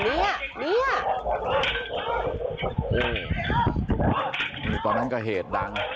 นี่คือตอนนั้นก็เหตุดัง